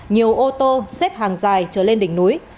nhiều ô tô xếp hàng dài trở lên đỉnh núi